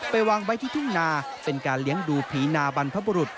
วางไว้ที่ทุ่งนาเป็นการเลี้ยงดูผีนาบรรพบุรุษ